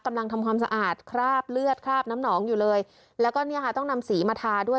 ทำความสะอาดคราบเลือดคราบน้ำหนองอยู่เลยแล้วก็เนี่ยค่ะต้องนำสีมาทาด้วย